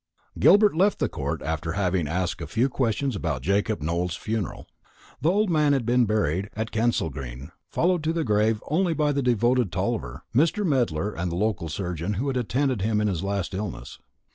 Gilbert left the court after having asked a few questions about Jacob Nowell's funeral. The old man had been buried at Kensalgreen, followed to the grave only by the devoted Tulliver, Mr. Medler, and the local surgeon who had attended him in his last illness.